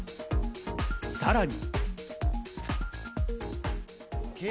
さらに。